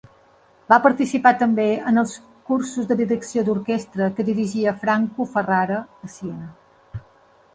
Va participar també en els cursos de direcció d'orquestra que dirigia Franco Ferrara a Siena.